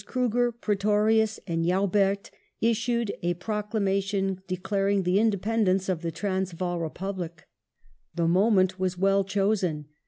Kruger, Pre torius, and Joubeii: issued a proclamation declaring the independ ence of the Transvaal Republic. The moment was well chosen.